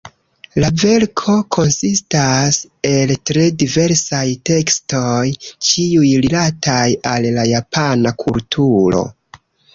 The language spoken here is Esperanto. La verko konsistas el tre diversaj tekstoj, ĉiuj rilataj al la Japana kulturo.